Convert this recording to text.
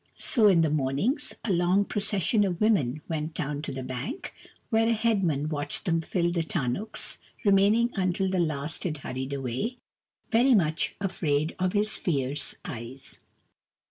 So in the mornings a long procession of women went down to the bank, where a head man watched them fill the tarnuks, remaining until the last had hurried away, very much afraid of his fierce eyes.